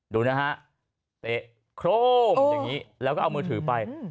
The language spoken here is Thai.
ดูนะฮะเตะโครมอย่างนี้แล้วก็เอามือถือไป